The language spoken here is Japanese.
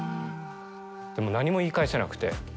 もう何も言い返せなくて。